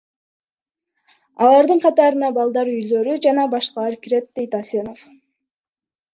Алардын катарына балдар үйлөрү жана башкалар кирет, – дейт Асенов.